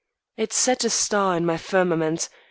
It set a star in my firmament.